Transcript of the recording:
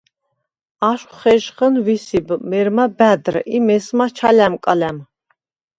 აშხვ ხეჟხჷნ ვისიბ, მერმა ბა̈დრ ი მესმა ჩალა̈მკალა̈მ.